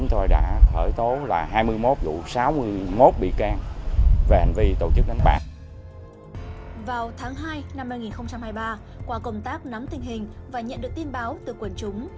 tháng hai năm hai nghìn hai mươi ba qua công tác nắm tình hình và nhận được tin báo từ quần chúng